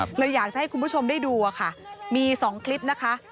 เลยอยากจะให้คุณผู้ชมได้ดูอะค่ะมี๒คลิปนะคะ